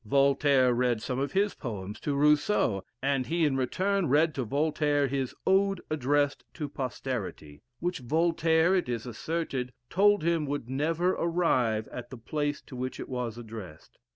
Voltaire read some of his poems to Rousseau, and he in return read to Voltaire his "Ode addressed to Posterity," which Voltaire, it is asserted, told him would never arrive at the place to which it was addressed.